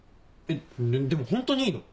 えっでもホントにいいの？